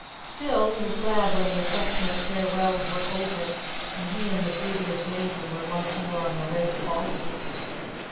Still, he was glad when the affectionate farewells were over, and he and the Beauteous Maiden were once more on their way to Boston.